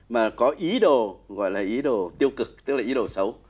mà có ý đồ gọi là ý đồ tiêu cực tức là ý đồ xấu